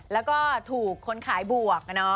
แล้วก็ถูกคนขายบวก